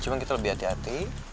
cuma kita lebih hati hati